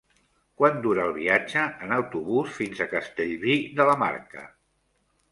Quant dura el viatge en autobús fins a Castellví de la Marca?